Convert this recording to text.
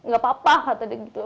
gak apa apa kata dia gitu